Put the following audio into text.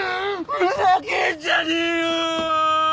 ふざけんじゃねえよ！